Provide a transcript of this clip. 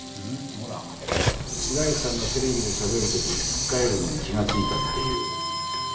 ほら白石さんがテレビでしゃべる時つっかえるのに気が付いたっていう。